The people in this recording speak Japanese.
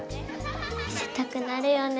見せたくなるよね。